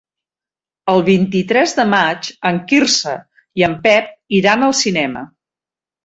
El vint-i-tres de maig en Quirze i en Pep iran al cinema.